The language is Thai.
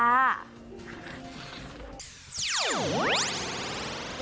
ใช่นะคะ